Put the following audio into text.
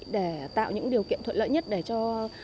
để tạo những điều kiện thuận lợi nhất để cho